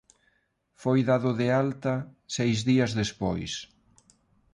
Foi dado de alta seis días despois.